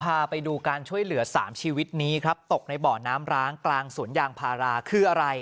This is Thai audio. พาไปดูการช่วยเหลือ๓ชีวิตนี้ครับตกในบ่อน้ำร้างกลางสวนยางพาราคืออะไร